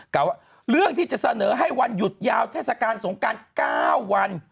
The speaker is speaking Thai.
กล่าวว่าเรื่องที่จะเสนอให้วันหยุดยาวเทศกาลสงการ๙วัน